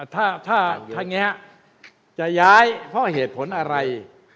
ถ้าอย่างนี้จะย้ายเพราะเหตุผลอะไร